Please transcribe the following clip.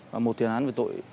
và một tiền án về tội